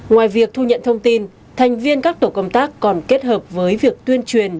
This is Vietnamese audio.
ngoài việc thu nhận thông tin thành viên các tổ công tác còn kết hợp với việc tuyên truyền